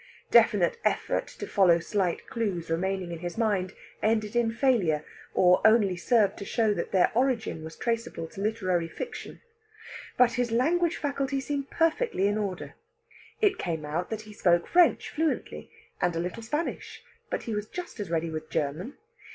Definite effort to follow slight clues remaining in his mind ended in failure, or only served to show that their origin was traceable to literary fiction. But his language faculty seemed perfectly in order. It came out that he spoke French fluently, and a little Spanish, but he was just as ready with German.